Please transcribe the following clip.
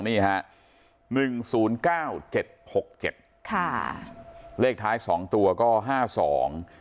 นี่ฮะหนึ่งศูนย์เก้าเจ็ดหกเจ็ดค่ะเลขท้ายสองตัวก็ห้าสอง